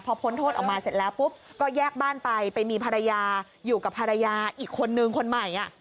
พอพ้นโทษออกมาเสร็จแล้วปุ๊บก็แยกบ้านไปไปมีภรรยาอยู่กับภรรยาอีกคนนึงคนใหม่